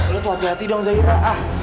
lo tuh hati hati dong zaira